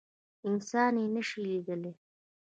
انسان يي نشي لیدلی